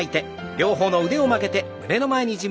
両方の腕を曲げて胸の前。